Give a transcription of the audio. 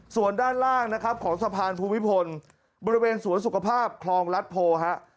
ส่วนด้านล่างนะครับของสะพานภูมิพลบริเวณสวนสุขภาพคลองรัฐโพฮะ